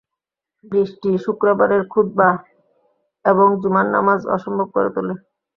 বৃষ্টি শুক্রবারের খুতবা এবং জুমার নামাজ অসম্ভব করে তোলে।